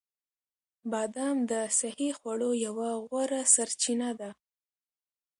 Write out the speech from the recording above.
بادام د صحي خوړو یوه غوره سرچینه ده.